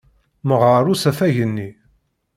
Meɣɣer usafag-nni!